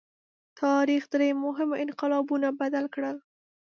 تاریخ درې مهمو انقلابونو بدل کړ.